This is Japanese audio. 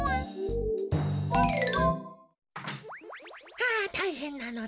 はあたいへんなのだ。